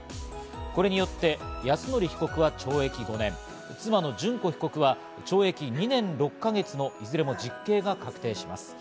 これにより泰典被告は懲役５年、妻の諄子被告は懲役２年６か月のいずれも実刑が確定します。